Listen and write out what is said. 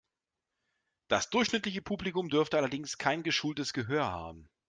Das durchschnittliche Publikum dürfte allerdings kein geschultes Gehör haben.